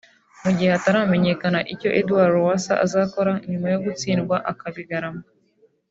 Mu gihe hataramenyekana icyo Edouard Lowassa azakora nyuma yo gutsindwa akabigarama